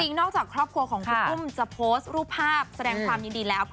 นอกจากครอบครัวของคุณอุ้มจะโพสต์รูปภาพแสดงความยินดีแล้ว